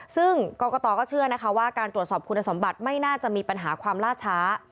ซึ่งกรกตก็เชื่อนะคะว่าการตรวจสอบคุณสมบัติไม่น่าจะมีปัญหาความล่าช้า